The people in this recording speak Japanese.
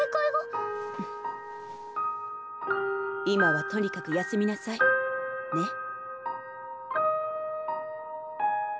今はとにかく休みなさいね。